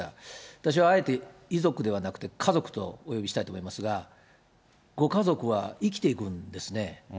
私はあえて遺族ではなくて家族とお呼びしたいと思いますが、ご家族は生きていくんですね。